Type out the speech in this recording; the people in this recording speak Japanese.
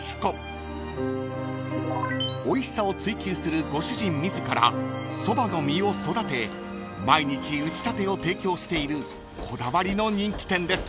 ［おいしさを追求するご主人自らソバの実を育て毎日打ちたてを提供しているこだわりの人気店です］